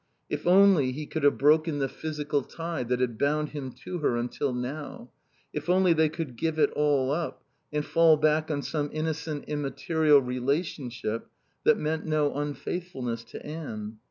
If only he could have broken the physical tie that had bound him to her until now; if only they could give it all up and fall back on some innocent, immaterial relationship that meant no unfaithfulness to Anne.